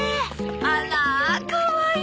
あらかわいい。